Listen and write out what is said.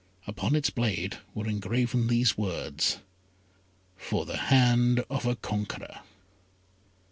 Upon its blade were engraven these words "For the hand of a conqueror."